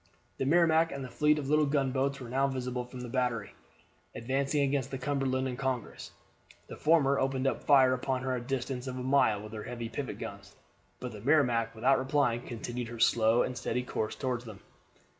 The Merrimac and the fleet of little gunboats were now visible from the battery, advancing against the Cumberland and Congress. The former opened fire upon her at a distance of a mile with her heavy pivot guns, but the Merrimac, without replying, continued her slow and steady course toward them.